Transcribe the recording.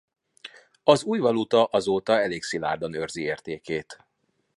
Az új valuta azóta elég szilárdan őrzi értékét.